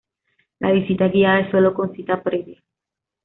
La visita guiada es sólo con cita previa.